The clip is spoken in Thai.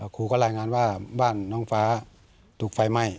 ครูก็รายงานว่าบ้านน้องฟ้าถูกไฟไหม้